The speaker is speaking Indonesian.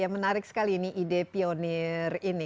menarik sekali ini ide pionir ini